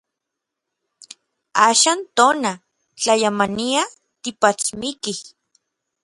Axan tona, tlayamania, tipatsmikij.